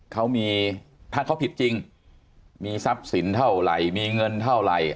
เขามีถ้าเขาผิดจริงมีทรัพย์สินเท่าไหร่มีเงินเท่าไหร่